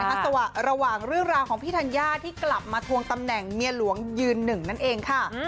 สวะระหว่างเรื่องราวของพี่ธัญญาที่กลับมาทวงตำแหน่งเมียหลวงยืนหนึ่งนั่นเองค่ะ